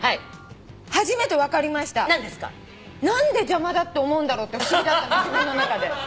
何で邪魔だって思うんだろうって不思議だったの自分の中で。